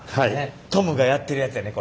トムがやってるやつやね